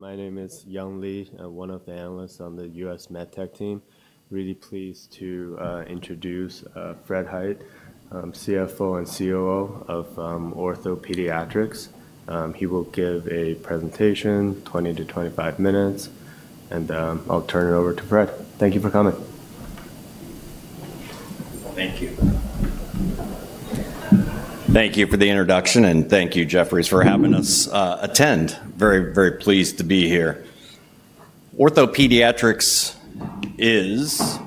My name is Yung Lee, one of the analysts on the US MedTech team. Really pleased to introduce Fred Hite, CFO and COO of OrthoPediatrics. He will give a presentation, 20 to 25 minutes, and I'll turn it over to Fred. Thank you for coming. Thank you. Thank you for the introduction, and thank you, Jefferies, for having us attend. Very, very pleased to be here. OrthoPediatrics is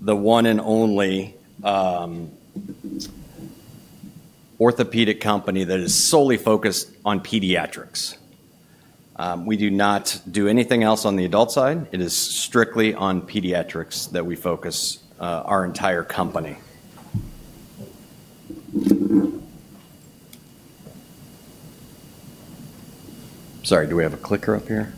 the one and only orthopedic company that is solely focused on pediatrics. We do not do anything else on the adult side. It is strictly on pediatrics that we focus our entire company. Sorry, do we have a clicker up here?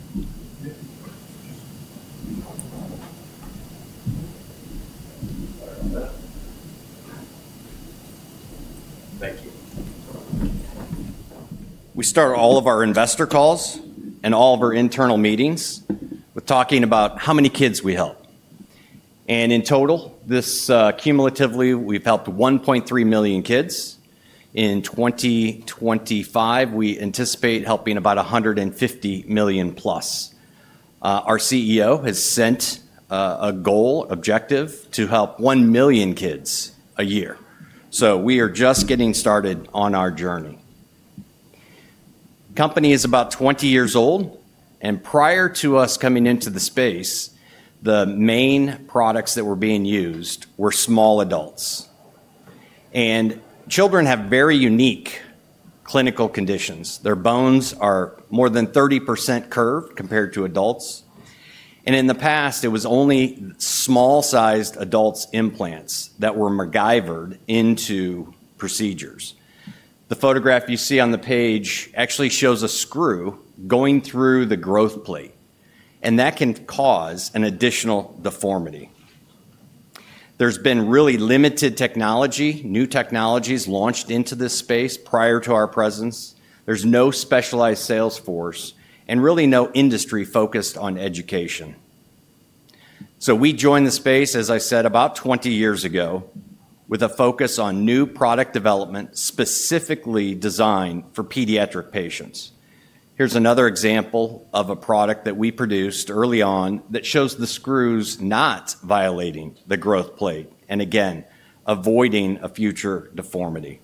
We start all of our investor calls and all of our internal meetings with talking about how many kids we help. In total, cumulatively, we've helped 1.3 million kids. In 2025, we anticipate helping about 150,000 plus. Our CEO has set a goal, objective, to help 1 million kids a year. We are just getting started on our journey. The company is about 20 years old, and prior to us coming into the space, the main products that were being used were small adults. Children have very unique clinical conditions. Their bones are more than 30% curved compared to adults. In the past, it was only small-sized adults' implants that were McGyvered into procedures. The photograph you see on the page actually shows a screw going through the growth plate, and that can cause an additional deformity. There's been really limited technology, new technologies launched into this space prior to our presence. There's no specialized salesforce and really no industry focused on education. We joined the space, as I said, about 20 years ago with a focus on new product development specifically designed for pediatric patients. Here's another example of a product that we produced early on that shows the screws not violating the growth plate and, again, avoiding a future deformity.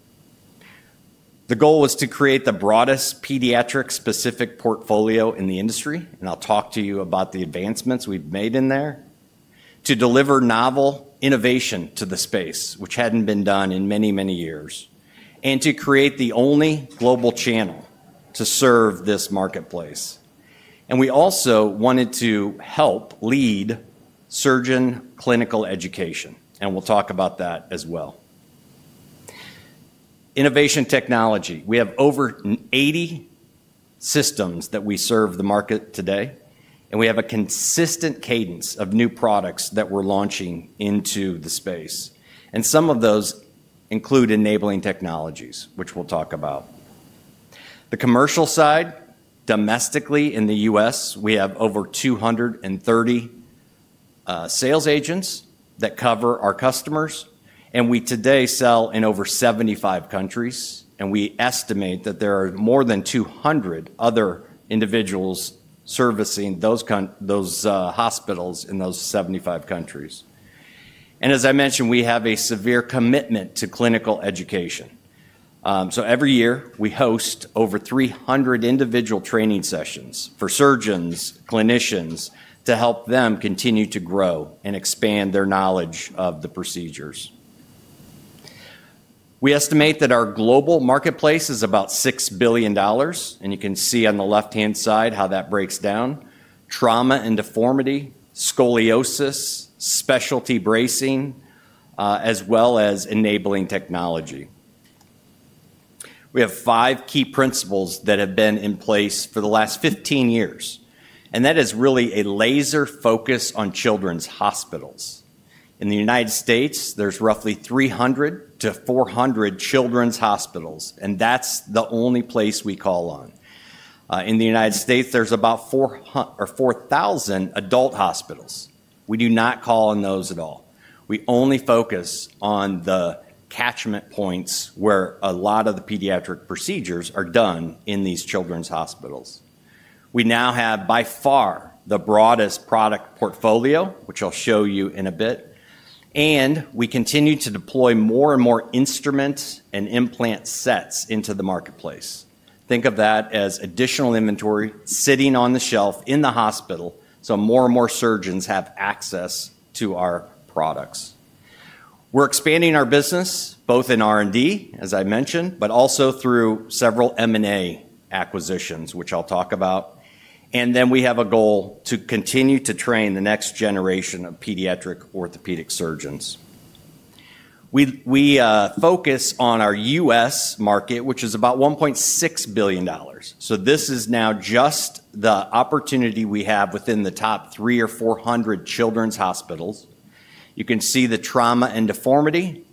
The goal was to create the broadest pediatric-specific portfolio in the industry, and I'll talk to you about the advancements we've made in there, to deliver novel innovation to the space, which hadn't been done in many, many years, and to create the only global channel to serve this marketplace. We also wanted to help lead surgeon clinical education, and we'll talk about that as well. Innovation technology. We have over 80 systems that we serve the market today, and we have a consistent cadence of new products that we're launching into the space. Some of those include enabling technologies, which we'll talk about. The commercial side, domestically in the U.S., we have over 230 sales agents that cover our customers, and we today sell in over 75 countries, and we estimate that there are more than 200 other individuals servicing those hospitals in those 75 countries. As I mentioned, we have a severe commitment to clinical education. Every year, we host over 300 individual training sessions for surgeons, clinicians, to help them continue to grow and expand their knowledge of the procedures. We estimate that our global marketplace is about $6 billion, and you can see on the left-hand side how that breaks down: trauma and deformity, scoliosis, specialty bracing, as well as enabling technology. We have five key principles that have been in place for the last 15 years, and that is really a laser focus on children's hospitals. In the United States, there's roughly 300-400 children's hospitals, and that's the only place we call on. In the United States, there's about 4,000 adult hospitals. We do not call on those at all. We only focus on the catchment points where a lot of the pediatric procedures are done in these children's hospitals. We now have by far the broadest product portfolio, which I'll show you in a bit, and we continue to deploy more and more instrument and implant sets into the marketplace. Think of that as additional inventory sitting on the shelf in the hospital, so more and more surgeons have access to our products. We are expanding our business both in R&D, as I mentioned, but also through several M&A acquisitions, which I will talk about. We have a goal to continue to train the next generation of pediatric orthopedic surgeons. We focus on our U.S. market, which is about $1.6 billion. This is now just the opportunity we have within the top 3 or 400 children's hospitals. You can see the trauma and deformity,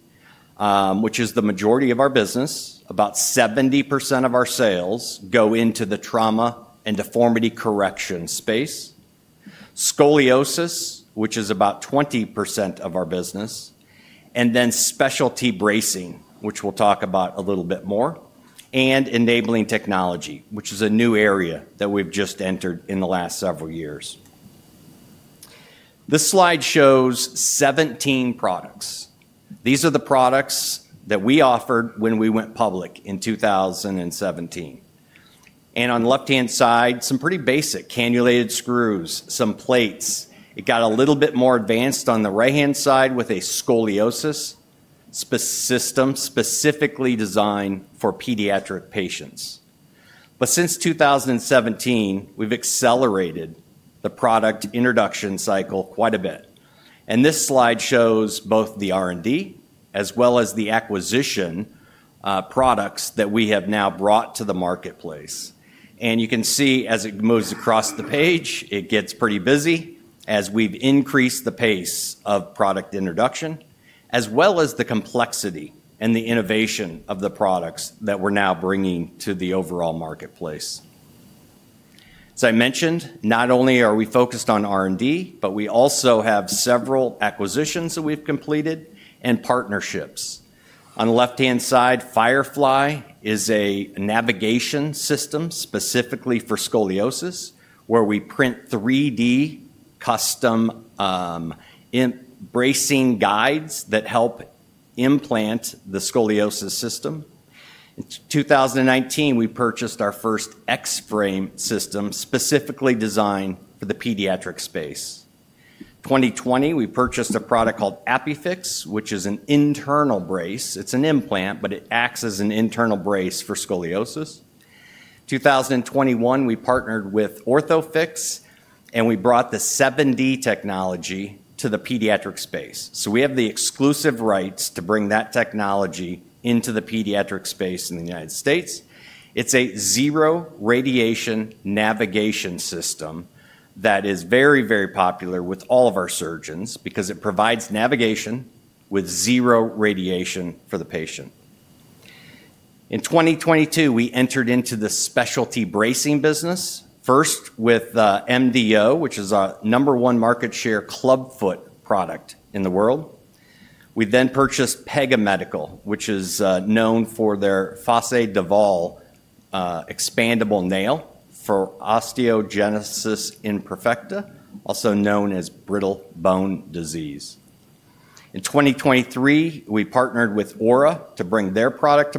which is the majority of our business. About 70% of our sales go into the trauma and deformity correction space. Scoliosis, which is about 20% of our business. Specialty bracing, which we'll talk about a little bit more, and enabling technology, which is a new area that we've just entered in the last several years. This slide shows 17 products. These are the products that we offered when we went public in 2017. On the left-hand side, some pretty basic cannulated screws, some plates. It got a little bit more advanced on the right-hand side with a scoliosis system specifically designed for pediatric patients. Since 2017, we've accelerated the product introduction cycle quite a bit. This slide shows both the R&D as well as the acquisition products that we have now brought to the marketplace. You can see as it moves across the page, it gets pretty busy as we've increased the pace of product introduction, as well as the complexity and the innovation of the products that we're now bringing to the overall marketplace. As I mentioned, not only are we focused on R&D, but we also have several acquisitions that we've completed and partnerships. On the left-hand side, FIREFLY is a navigation system specifically for scoliosis where we print 3D custom bracing guides that help implant the scoliosis system. In 2019, we purchased our first X-Frame system specifically designed for the pediatric space. In 2020, we purchased a product called Apifix, which is an internal brace. It's an implant, but it acts as an internal brace for scoliosis. In 2021, we partnered with OrthoFix, and we brought the 7D technology to the pediatric space. We have the exclusive rights to bring that technology into the pediatric space in the United States. It's a zero-radiation navigation system that is very, very popular with all of our surgeons because it provides navigation with zero radiation for the patient. In 2022, we entered into the specialty bracing business, first with MDO, which is our number one market share clubfoot product in the world. We then purchased Pega Medical, which is known for their Fassier-Duval expandable nail for osteogenesis imperfecta, also known as brittle bone disease. In 2023, we partnered with Aura to bring their product to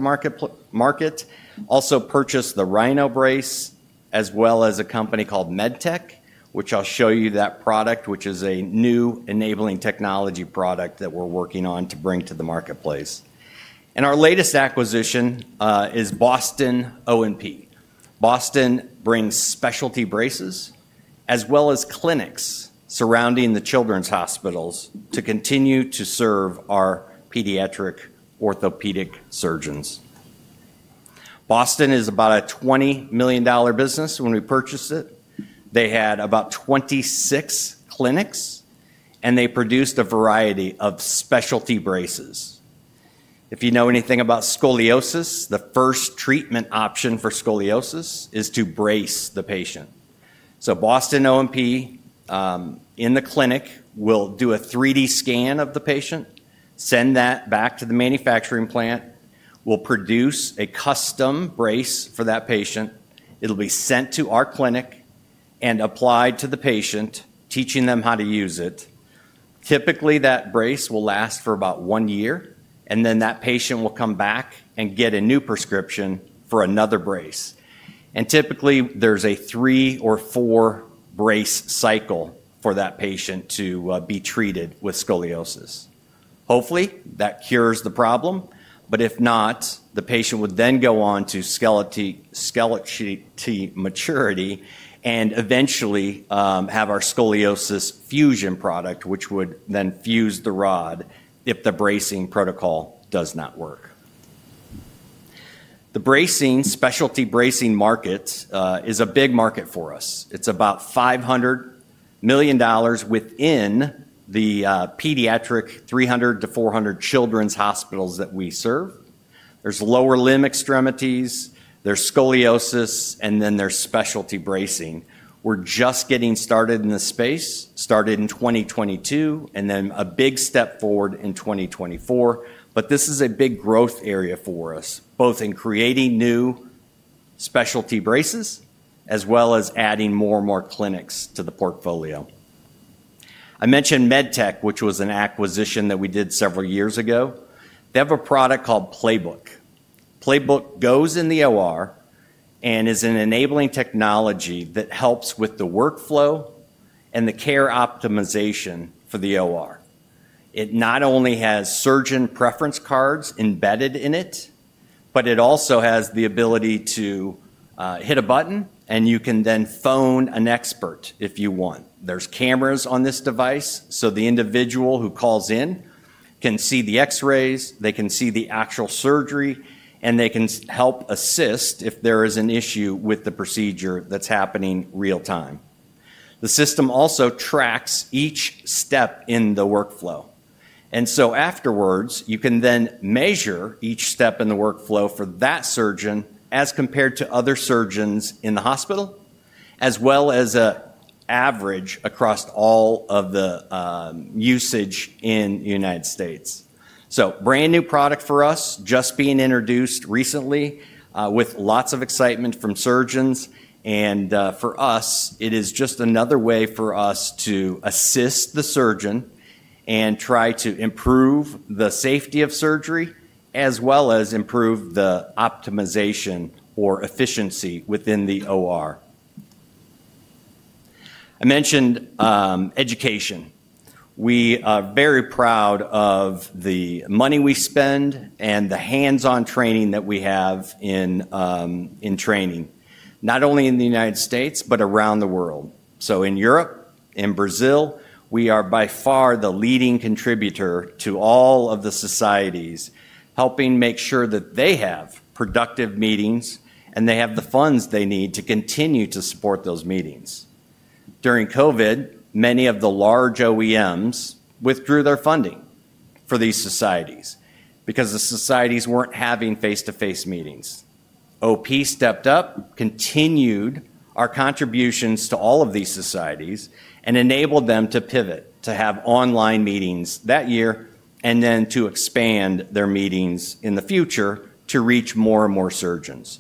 market, also purchased the RhinoBrace, as well as a company called MedTech, which I'll show you that product, which is a new enabling technology product that we're working on to bring to the marketplace. Our latest acquisition is Boston O&P. Boston brings specialty braces as well as clinics surrounding the children's hospitals to continue to serve our pediatric orthopedic surgeons. Boston is about a $20 million business when we purchased it. They had about 26 clinics, and they produced a variety of specialty braces. If you know anything about scoliosis, the first treatment option for scoliosis is to brace the patient. So Boston O&P in the clinic will do a 3D scan of the patient, send that back to the manufacturing plant, will produce a custom brace for that patient. It'll be sent to our clinic and applied to the patient, teaching them how to use it. Typically, that brace will last for about one year, and then that patient will come back and get a new prescription for another brace. Typically, there's a three or four-brace cycle for that patient to be treated with scoliosis. Hopefully, that cures the problem, but if not, the patient would then go on to skeletal maturity and eventually have our scoliosis fusion product, which would then fuse the rod if the bracing protocol does not work. The specialty bracing market is a big market for us. It's about $500 million within the pediatric 300-400 children's hospitals that we serve. There's lower limb extremities, there's scoliosis, and then there's specialty bracing. We're just getting started in this space, started in 2022, and then a big step forward in 2024. This is a big growth area for us, both in creating new specialty braces as well as adding more and more clinics to the portfolio. I mentioned MedTech, which was an acquisition that we did several years ago. They have a product called Playbook. Playbook goes in the OR and is an enabling technology that helps with the workflow and the care optimization for the OR. It not only has surgeon preference cards embedded in it, but it also has the ability to hit a button, and you can then phone an expert if you want. There are cameras on this device, so the individual who calls in can see the X-rays, they can see the actual surgery, and they can help assist if there is an issue with the procedure that is happening real-time. The system also tracks each step in the workflow. Afterward, you can then measure each step in the workflow for that surgeon as compared to other surgeons in the hospital, as well as an average across all of the usage in the United States. Brand new product for us, just being introduced recently with lots of excitement from surgeons. For us, it is just another way for us to assist the surgeon and try to improve the safety of surgery as well as improve the optimization or efficiency within the OR. I mentioned education. We are very proud of the money we spend and the hands-on training that we have in training, not only in the United States, but around the world. In Europe, in Brazil, we are by far the leading contributor to all of the societies, helping make sure that they have productive meetings and they have the funds they need to continue to support those meetings. During COVID, many of the large OEMs withdrew their funding for these societies because the societies were not having face-to-face meetings. OP stepped up, continued our contributions to all of these societies, and enabled them to pivot to have online meetings that year and then to expand their meetings in the future to reach more and more surgeons.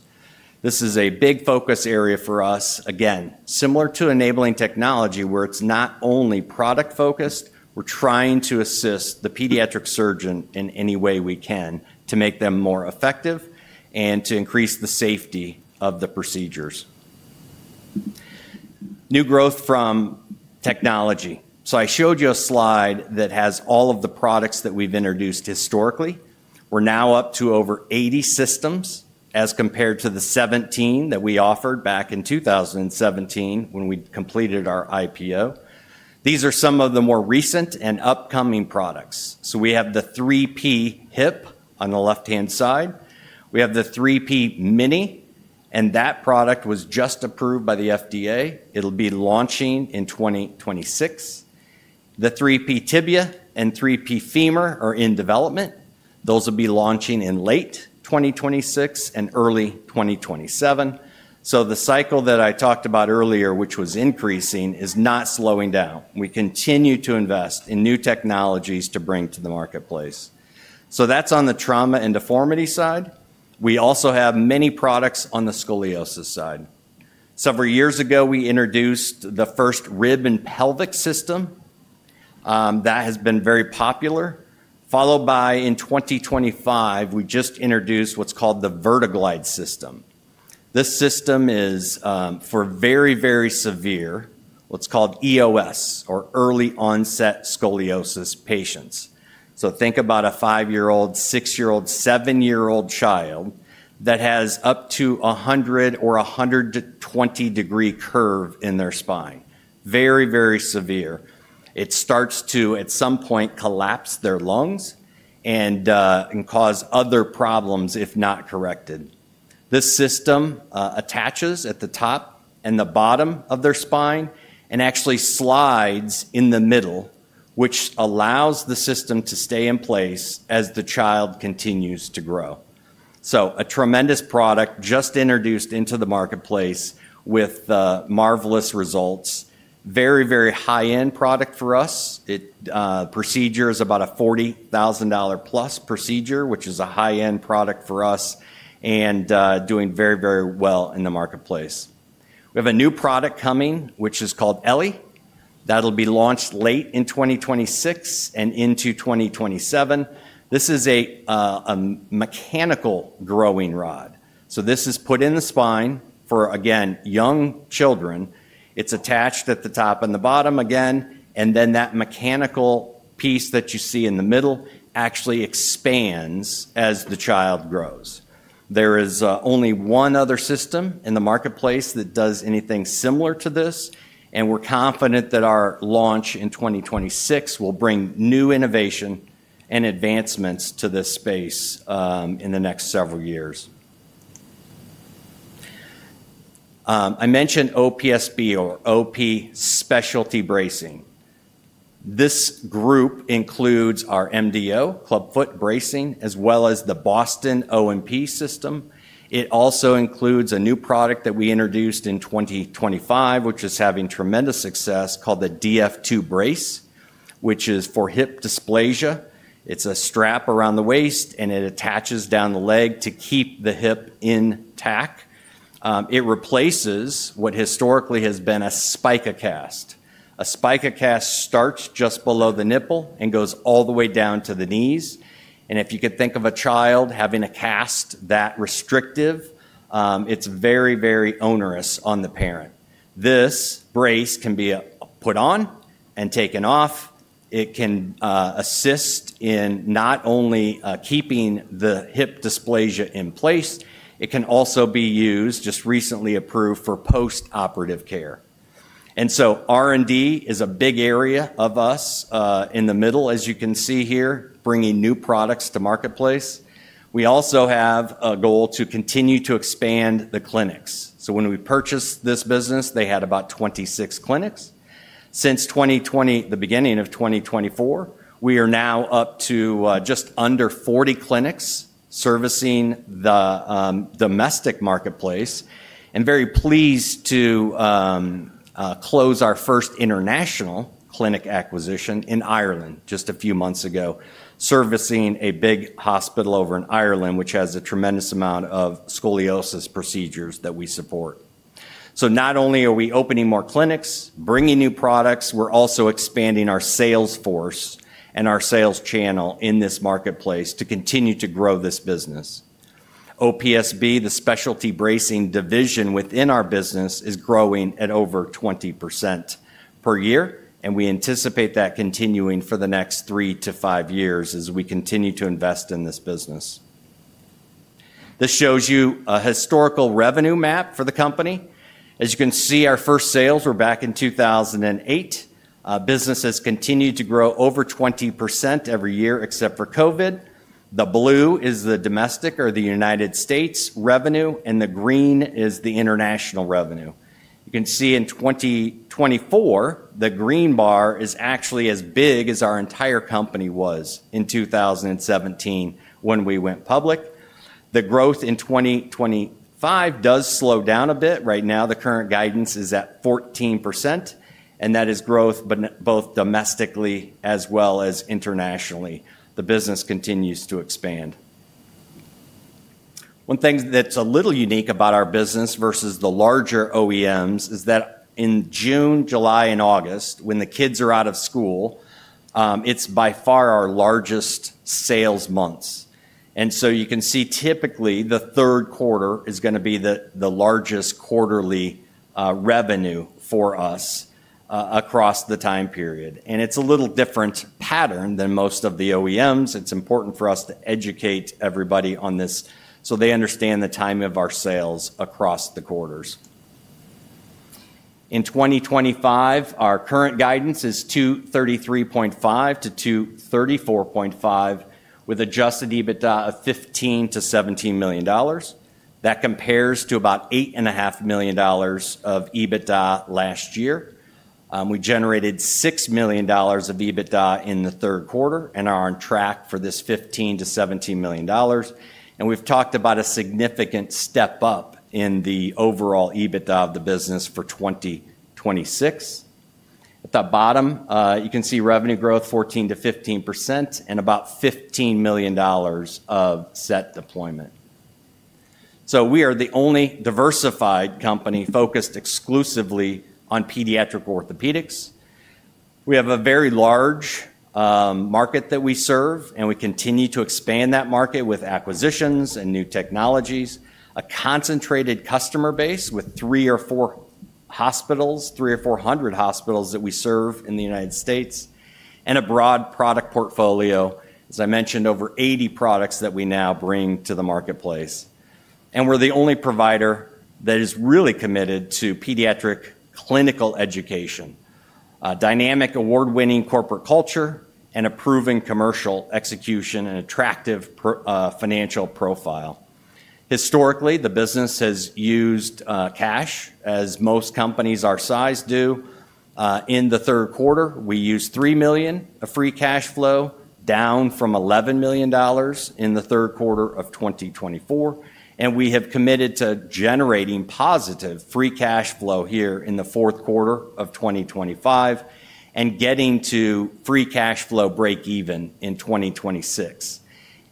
This is a big focus area for us. Again, similar to enabling technology where it's not only product-focused, we're trying to assist the pediatric surgeon in any way we can to make them more effective and to increase the safety of the procedures. New growth from technology. I showed you a slide that has all of the products that we've introduced historically. We're now up to over 80 systems as compared to the 17 that we offered back in 2017 when we completed our IPO. These are some of the more recent and upcoming products. We have the 3P HIP on the left-hand side. We have the 3P Mini, and that product was just approved by the FDA. It'll be launching in 2026. The 3P Tibia and 3P Femur are in development. Those will be launching in late 2026 and early 2027. The cycle that I talked about earlier, which was increasing, is not slowing down. We continue to invest in new technologies to bring to the marketplace. That's on the trauma and deformity side. We also have many products on the scoliosis side. Several years ago, we introduced the first rib and pelvic system that has been very popular, followed by, in 2025, we just introduced what's called the VertiGlide system. This system is for very, very severe, what's called EOS, or early-onset scoliosis patients. Think about a five-year-old, six-year-old, seven-year-old child that has up to a 100 or 120-degree curve in their spine. Very, very severe. It starts to, at some point, collapse their lungs and cause other problems if not corrected. This system attaches at the top and the bottom of their spine and actually slides in the middle, which allows the system to stay in place as the child continues to grow. A tremendous product just introduced into the marketplace with marvelous results. Very, very high-end product for us. The procedure is about a $40,000-plus procedure, which is a high-end product for us and doing very, very well in the marketplace. We have a new product coming, which is called eLLi. That will be launched late in 2026 and into 2027. This is a mechanical growing rod. This is put in the spine for, again, young children. It is attached at the top and the bottom again. That mechanical piece that you see in the middle actually expands as the child grows. There is only one other system in the marketplace that does anything similar to this. We are confident that our launch in 2026 will bring new innovation and advancements to this space in the next several years. I mentioned OPSB or OP Specialty Bracing. This group includes our MDO, Clubfoot Bracing, as well as the Boston O&P system. It also includes a new product that we introduced in 2025, which is having tremendous success, called the DF2 Brace, which is for hip dysplasia. It is a strap around the waist, and it attaches down the leg to keep the hip intact. It replaces what historically has been a spica cast. A spica cast starts just below the nipple and goes all the way down to the knees. If you could think of a child having a cast that restrictive, it is very, very onerous on the parent. This brace can be put on and taken off. It can assist in not only keeping the hip dysplasia in place, it can also be used, just recently approved for post-operative care. R&D is a big area of us in the middle, as you can see here, bringing new products to marketplace. We also have a goal to continue to expand the clinics. When we purchased this business, they had about 26 clinics. Since 2020, the beginning of 2024, we are now up to just under 40 clinics servicing the domestic marketplace. Very pleased to close our first international clinic acquisition in Ireland just a few months ago, servicing a big hospital over in Ireland, which has a tremendous amount of scoliosis procedures that we support. Not only are we opening more clinics, bringing new products, we're also expanding our sales force and our sales channel in this marketplace to continue to grow this business. OPSB, the specialty bracing division within our business, is growing at over 20% per year, and we anticipate that continuing for the next three to five years as we continue to invest in this business. This shows you a historical revenue map for the company. As you can see, our first sales were back in 2008. Business has continued to grow over 20% every year except for COVID. The blue is the domestic or the United States revenue, and the green is the international revenue. You can see in 2024, the green bar is actually as big as our entire company was in 2017 when we went public. The growth in 2025 does slow down a bit. Right now, the current guidance is at 14%, and that is growth both domestically as well as internationally. The business continues to expand. One thing that's a little unique about our business versus the larger OEMs is that in June, July, and August, when the kids are out of school, it's by far our largest sales months. You can see typically the third quarter is going to be the largest quarterly revenue for us across the time period. It's a little different pattern than most of the OEMs. It's important for us to educate everybody on this so they understand the time of our sales across the quarters. In 2025, our current guidance is $233.5 million-$234.5 million with adjusted EBITDA of $15 million-$17 million. That compares to about $8.5 million of EBITDA last year. We generated $6 million of EBITDA in the third quarter and are on track for this $15 million-$17 million. We have talked about a significant step up in the overall EBITDA of the business for 2026. At the bottom, you can see revenue growth, 14%-15%, and about $15 million of set deployment. We are the only diversified company focused exclusively on pediatric orthopedics. We have a very large market that we serve, and we continue to expand that market with acquisitions and new technologies, a concentrated customer base with three or four hundred hospitals that we serve in the United States, and a broad product portfolio. As I mentioned, over 80 products that we now bring to the marketplace. We are the only provider that is really committed to pediatric clinical education, dynamic award-winning corporate culture, and improving commercial execution and attractive financial profile. Historically, the business has used cash, as most companies our size do. In the third quarter, we used $3 million of free cash flow, down from $11 million in the third quarter of 2024. We have committed to generating positive free cash flow here in the fourth quarter of 2025 and getting to free cash flow break-even in 2026.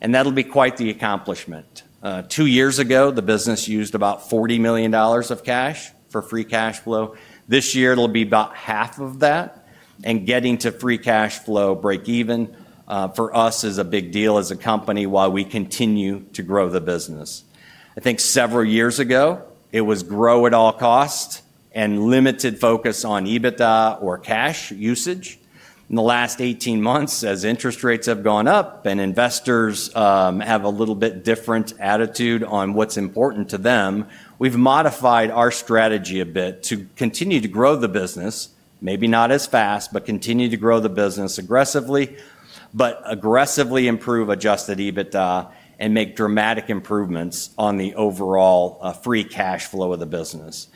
That will be quite the accomplishment. Two years ago, the business used about $40 million of cash for free cash flow. This year, it will be about half of that. Getting to free cash flow break-even for us is a big deal as a company while we continue to grow the business. I think several years ago, it was grow at all costs and limited focus on EBITDA or cash usage. In the last 18 months, as interest rates have gone up and investors have a little bit different attitude on what's important to them, we've modified our strategy a bit to continue to grow the business, maybe not as fast, but continue to grow the business aggressively, but aggressively improve adjusted EBITDA and make dramatic improvements on the overall free cash flow of the business.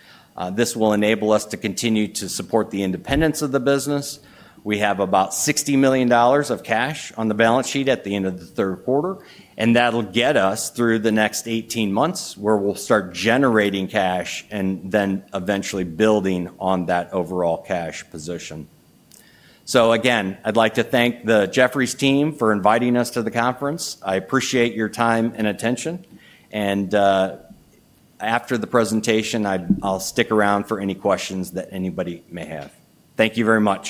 This will enable us to continue to support the independence of the business. We have about $60 million of cash on the balance sheet at the end of the third quarter, and that'll get us through the next 18 months where we'll start generating cash and then eventually building on that overall cash position. Again, I'd like to thank the Jefferies team for inviting us to the conference. I appreciate your time and attention. After the presentation, I'll stick around for any questions that anybody may have. Thank you very much.